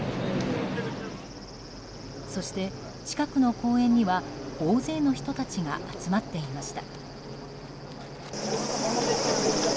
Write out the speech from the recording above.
そして、近くの公園には大勢の人たちが集まっていました。